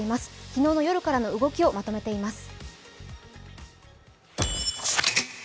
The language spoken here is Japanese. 昨日の夜からの動きをまとめています。